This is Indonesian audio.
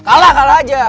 kalah kalah aja